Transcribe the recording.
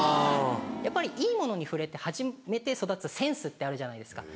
いいものに触れて初めて育つセンスってあるじゃないですか。